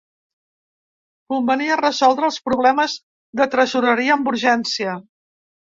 Convenia resoldre els problemes de tresoreria amb urgència.